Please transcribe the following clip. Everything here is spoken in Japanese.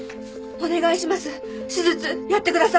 お願いします！